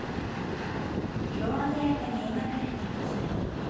色鮮やかに描かれた街並み。